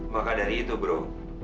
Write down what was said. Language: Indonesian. bukan dari itu bro